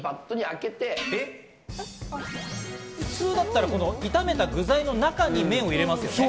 普通だったら炒めた具材の中に麺を入れますよね。